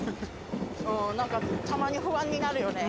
うんなんかたまに不安になるよね。